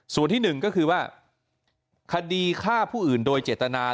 ส่วนที่หนึ่งก็คือว่าคดีฆ่าผู้อื่นโดยเจตนา